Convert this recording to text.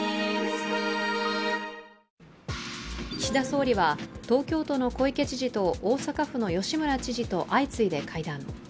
岸田総理は、東京都の小池知事と大阪府の吉村知事と相次いで会談。